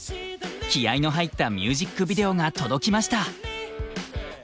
気合いの入ったミュージックビデオが届きました！